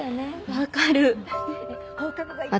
分かる。